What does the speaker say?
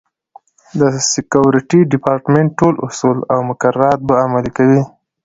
د سکورټي ډیپارټمنټ ټول اصول او مقررات به عملي کوي.